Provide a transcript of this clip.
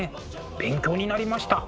勉強になりました。